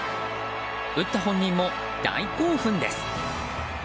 打った本人も大興奮です。